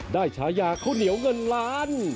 ฉายาข้าวเหนียวเงินล้าน